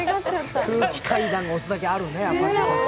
空気階段が推すだけあるね。